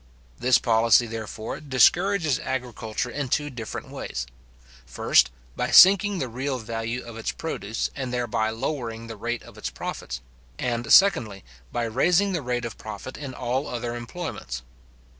This policy, therefore, discourages agriculture in two different ways; first, by sinking the real value of its produce, and thereby lowering the rate of its profits; and, secondly, by raising the rate of profit in all other employments.